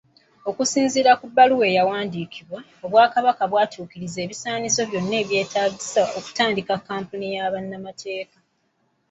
Okusinziira ku bbaluwa eyawandikiddwa, Obwakabaka bwatuukirizza ebisaanyizo byonna ebyetaagisa okutandika kampuni ya bannamateeka.